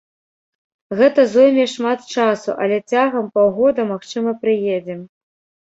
Гэта зойме шмат часу, але цягам паўгода, магчыма, прыедзем.